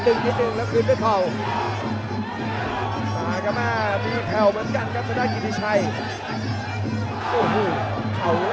แต่ครึ่งคลูกใต้ซ้ายเลยครับโอ้โห